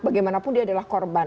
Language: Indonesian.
bagaimanapun dia adalah korban